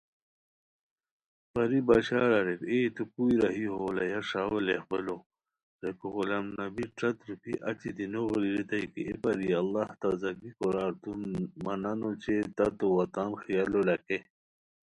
پری بشار اریر اے! تو کُوئی راہی ہو لہ یہ ݰا ویلاغبیلو؟ ریکو غلام نبی ݯٹ روپھی اچی دی نوغیری ریتائے کی اے پری الّٰلہ تازگی کورار تو مہ نان اوچے تتو وا تان خیالو لکھے